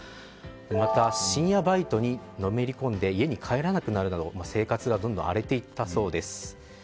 また、深夜バイトにのめりこんで家に帰らなくなるなど生活がどんどん荒れていったそうです。